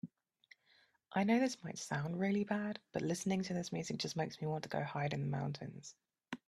I know this might sound really bad, but listening to this music just makes me want to go hide in the mountains.